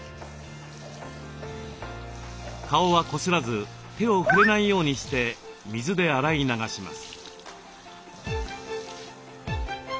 顔はこすらず手を触れないようにして水で洗い流します。